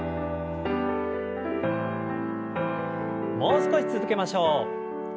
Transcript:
もう少し続けましょう。